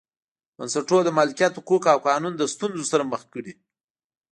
بنسټونو د مالکیت حقوق او قانون له ستونزو سره مخ کړي.